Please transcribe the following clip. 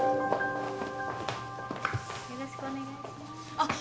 よろしくお願いしますあっ